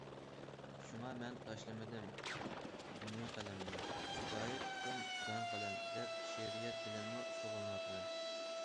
شۇڭا، مەن‹‹ تاشلىمىدىم موي قەلەمنى، گاھى تۇتتۇم گاڭ قەلەم›› دەپ، شېئىرىيەت بىلەنمۇ شۇغۇللىنىۋاتىمەن.